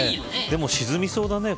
でも沈みそうだね。